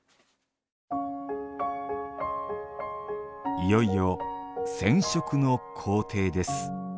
いよいよ「染色」の工程です。